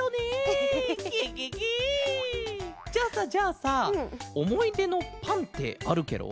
じゃあさじゃあさおもいでのパンってあるケロ？